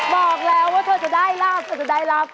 บอกแล้วว่าเธอจะได้ลาบเธอจะได้รับ